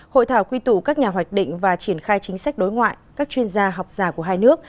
hội thảo quy tụ các nhà hoạch định và triển khai chính sách đối ngoại các chuyên gia học giả của hai nước